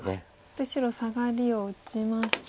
そして白サガリを打ちまして。